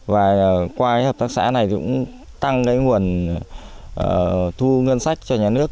và qua cái hợp tác xã này cũng tăng cái nguồn thu ngân sách cho nhà nước